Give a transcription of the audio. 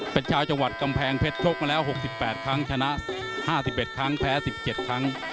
เป็นชาวจังหวัดกำแพงเพชรชกมาแล้ว๖๘ครั้งชนะ๕๑ครั้งแพ้๑๗ครั้ง